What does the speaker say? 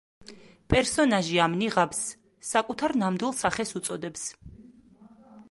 პერსონაჟი ამ ნიღაბს საკუთარ ნამდვილ სახეს უწოდებს.